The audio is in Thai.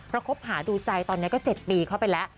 คบหาดูใจตอนนี้ก็๗ปีเข้าไปแล้ว